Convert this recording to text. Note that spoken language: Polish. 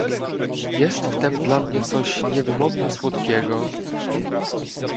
"Jest w tem dla mnie coś niewymownie słodkiego."